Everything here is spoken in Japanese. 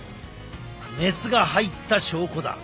熱が入った証拠だ。